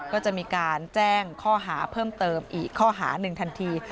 ก็จะมีการแจ้งข้อหาเพิ่มเติมอีกข้อหาหนึ่งทันที